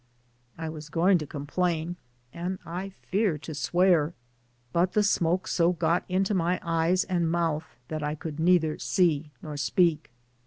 I was going to complain, and I fear to swear, but the smoke so got into my eyes and mouth that I could neither see nor speak.